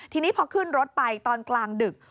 ทีนี้พอขึ้นรถไปตอนกลางดึก